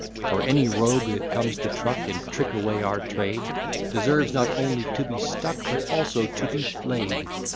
For any rogue that comes to truck And trick away our trade, Deserves not only to be stuck, But also to be flay'd.